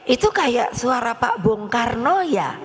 itu kayak suara pak bung karno ya